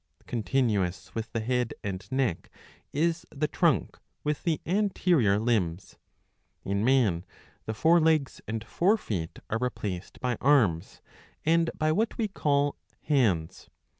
''' Continuous with the head and neck is the trunk with the anterior limbs. In man the fore legs and fore feet are replaced by arms and by what we call hands.